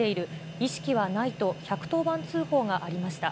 意識はないと１１０番通報がありました。